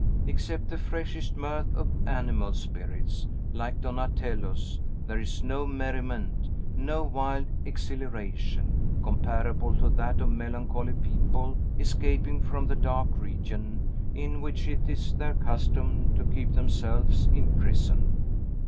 Except the freshest mirth of animal spirits, like Donatello's, there is no merriment, no wild exhilaration, comparable to that of melancholy people escaping from the dark region in which it is their custom to keep themselves imprisoned.